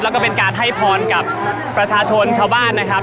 แล้วก็เป็นการให้พรกับประชาชนชาวบ้านนะครับ